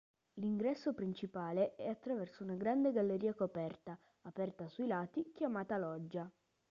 L'ingresso principale è attraverso una grande galleria coperta, aperta sui lati, chiamata loggia.